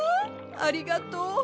ありがとう。